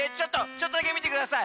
ちょっとだけみてください。